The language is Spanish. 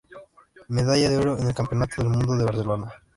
Medalla de oro en el Campeonato del Mundo de Barcelona.